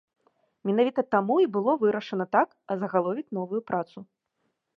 Менавіта таму і было вырашана так азагаловіць новую працу.